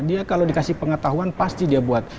dia kalau dikasih pengetahuan pasti dia buat